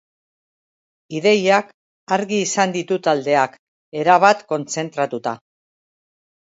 Ideiak argi izan ditu taldeak, erabat kontzentratuta.